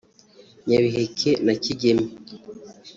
Nyabiheke na Kigeme”